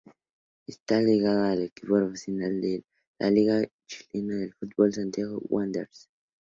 Está ligada al equipo profesional de la liga chilena de fútbol Santiago Wanderers.